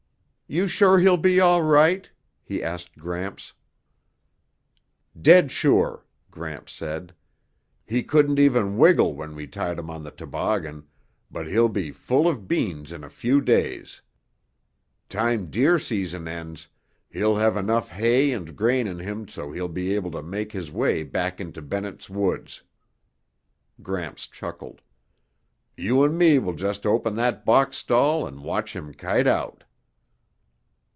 "You're sure he'll be all right?" he asked Gramps. "Dead sure," Gramps said. "He couldn't even wiggle when we tied him on the toboggan, but he'll be full of beans in a few days. Time deer season ends, he'll have enough hay and grain in him so he'll be able to make his way back into Bennett's Woods." Gramps chuckled. "You 'n' me will just open that box stall and watch him kite out."